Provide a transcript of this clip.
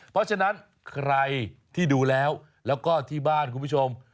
เพราะฉะนั้นใครที่ดูแล้วแล้วก็ที่บ้านคุณผู้ชม